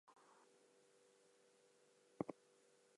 Their servers are all accessible from the domain name irc.oftc dot net.